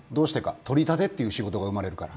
取り立てという仕事が生まれるから。